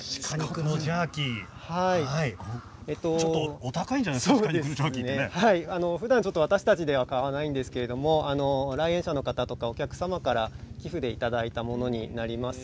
ちょっとお高いんじゃないですかふだん私たちでも買わないんですけど来園者の方やお客様から寄付でいただいたものになります。